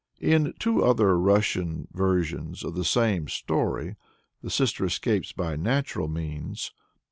In two other Russian versions of the same story, the sister escapes by natural means.